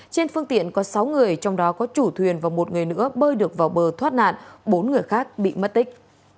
trên phương tiện có sáu người trong đó có chủ thuyền và một người nữa bơi được vào bờ thoát nạn bốn người khác bị mất tích